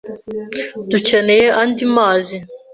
Dukeneye andi mazi.